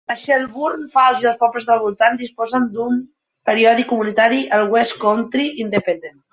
Les Shelburne Falls i els pobles de voltant disposen d'un periòdic comunitari, el "West County Independent".